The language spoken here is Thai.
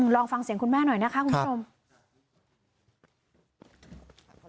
ลองฟังเสียงคุณแม่หน่อยนะคะคุณผู้ชม